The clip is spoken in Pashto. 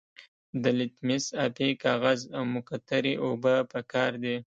د لتمس ابي کاغذ او مقطرې اوبه پکار دي.